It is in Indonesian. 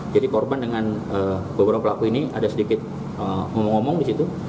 jadi korban dengan beberapa pelaku ini ada sedikit ngomong ngomong di situ